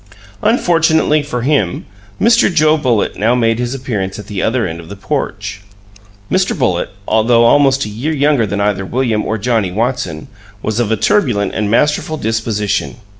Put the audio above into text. Unfortunately for him, Mr. Joe Bullitt now made his appearance at the other end of the porch. Mr. Bullitt, though almost a year younger than either William or Johnnie Watson, was of a turbulent and masterful disposition.